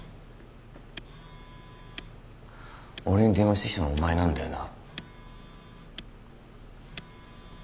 俺に電話してきたのはお前なんだよな？